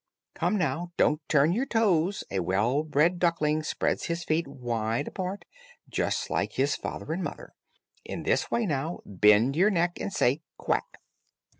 Come, now, don't turn your toes, a well bred duckling spreads his feet wide apart, just like his father and mother, in this way; now bend your neck, and say 'quack.'"